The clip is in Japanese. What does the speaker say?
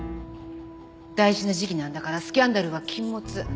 大事な時期なんだからスキャンダルは禁物。